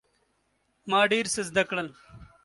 ما ډیر څه زده کړل.